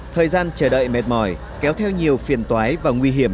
thời gian chờ đợi mệt mỏi kéo theo nhiều phiền toái và nguy hiểm